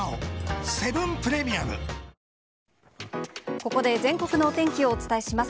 ここで全国のお天気をお伝えします。